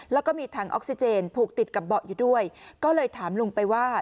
แล้วก็มีถังออกซิเจนผูกติดกับเบาะอยู่ด้วยก็เลยถามลุงไปว่า